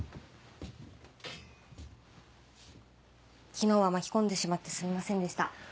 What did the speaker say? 昨日は巻き込んでしまってすみませんでした。